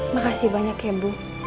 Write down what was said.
makasih banyak ya ibu